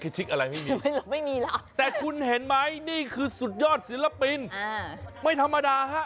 ชิกชิกอะไรไม่มีเหรอแต่คุณเห็นไหมนี่คือสุดยอดศิลปินไม่ธรรมดา